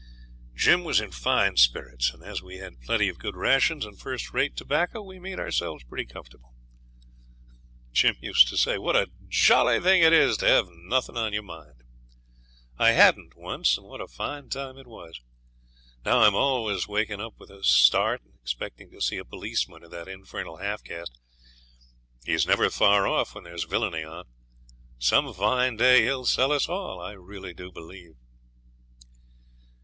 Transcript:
Jim was in fine spirits, and as we had plenty of good rations and first rate tobacco we made ourselves pretty comfortable. 'What a jolly thing it is to have nothing on your mind!' Jim used to say. 'I hadn't once, and what a fine time it was! Now I'm always waking up with a start and expecting to see a policeman or that infernal half caste. He's never far off when there's villainy on. Some fine day he'll sell us all, I really do believe.'